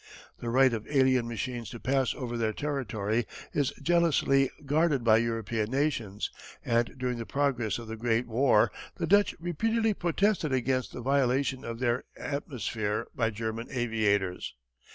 The right of alien machines to pass over their territory is jealously guarded by European nations, and during the progress of the Great War the Dutch repeatedly protested against the violation of their atmosphere by German aviators.